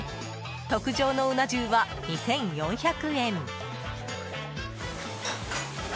特上のうな重は２４００円。